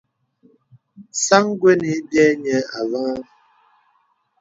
Sāŋ gwə́n ï biə̂ niə avàhàŋ.